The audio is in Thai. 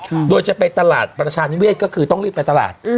อืมโดยจะไปตลาดประชานิเวศก็คือต้องรีบไปตลาดอืม